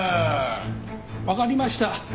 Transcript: わかりました。